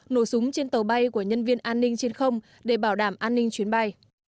nổ súng trên tàu bay của nhân viên an ninh trên không để bảo đảm an ninh chuyến bay